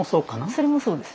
それもそうです。